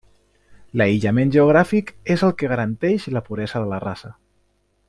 L'aïllament geogràfic és el que garanteix la puresa de la raça.